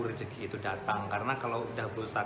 rezeki itu datang karena kalau udah berusaha